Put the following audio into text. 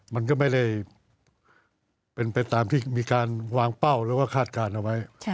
มันก็ไม่ได้เป็นไปตามที่มีการวางเป้าแล้วก็คาดการณ์เอาไว้